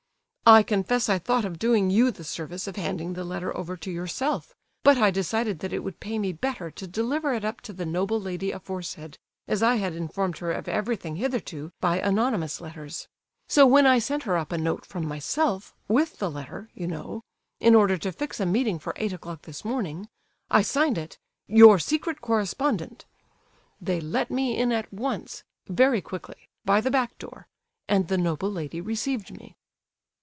"I confess I thought of doing you the service of handing the letter over to yourself, but I decided that it would pay me better to deliver it up to the noble lady aforesaid, as I had informed her of everything hitherto by anonymous letters; so when I sent her up a note from myself, with the letter, you know, in order to fix a meeting for eight o'clock this morning, I signed it 'your secret correspondent.' They let me in at once—very quickly—by the back door, and the noble lady received me."